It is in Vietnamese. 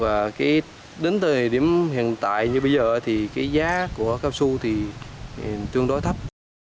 và đến thời điểm hiện tại như bây giờ thì cái giá của cao su thì tương đối thấp